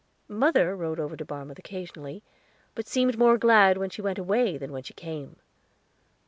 Mother rode over to Barmouth occasionally, but seemed more glad when she went away than when she came.